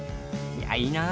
いやいいな！